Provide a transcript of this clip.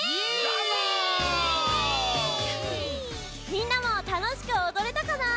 みんなもたのしくおどれたかな？